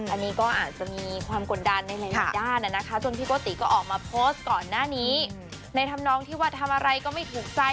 อันนี้ก็อาจจะมีความกดดันในหลายด้านนะคะจนพี่โกติก็ออกมาโพสต์ก่อนหน้านี้ในธรรมนองที่ว่าทำอะไรก็ไม่ถูกใจ